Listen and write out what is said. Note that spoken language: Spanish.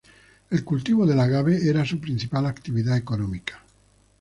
El cultivo del agave era su principal actividad económica.